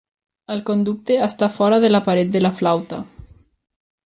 El conducte està fora de la paret de la flauta.